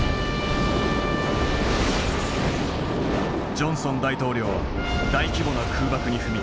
ジョンソン大統領は大規模な空爆に踏み切った。